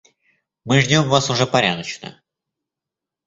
Мы ждём вас уже порядочно.